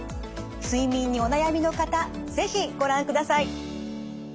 睡眠にお悩みの方是非ご覧ください。